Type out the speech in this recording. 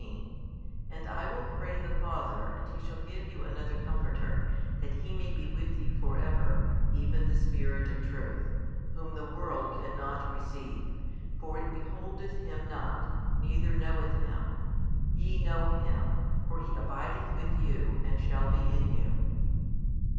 16, 17 And I will pray the Father, and He shall give you another Comforter, that He may be with you for ever, even the Spirit of truth: Whom the world cannot receive; for it beholdeth |301 Him not, neither knoweth Him: ye know Him; for He abideth with you, and shall be in you.